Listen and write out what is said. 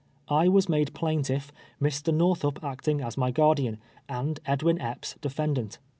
I was made plaintitt", Mr. Xortliiip acting as my guardian, and Edwin Epps defendant.